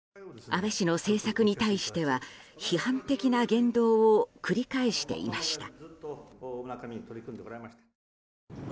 安倍氏の政策に対しては批判的な言動を繰り返していました。